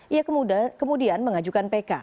ia kemudian mengajukan pk